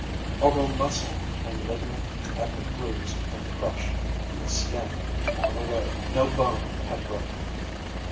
Although muscle and ligament had been bruised and crushed and the skin torn away, no bone had broken.